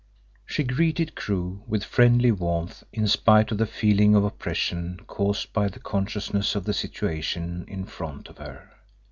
She greeted Crewe with friendly warmth in spite of the feeling of oppression caused by the consciousness of the situation in front of her.